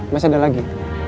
masih ada lagi